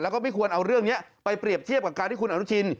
แล้วก็ไม่ควรเอาเรื่องนี้ไปเปรียบเทียบกับการที่คุณอนุทิน